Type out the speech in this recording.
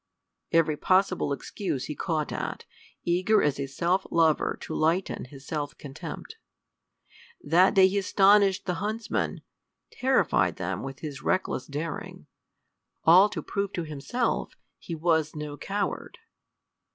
Every possible excuse he caught at, eager as a self lover to lighten his self contempt. That day he astonished the huntsmen terrified them with his reckless daring all to prove to himself he was no coward.